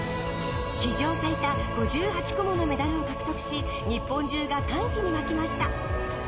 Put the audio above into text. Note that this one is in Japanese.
史上最多５８個のメダルを獲得し日本中が歓喜に沸きました。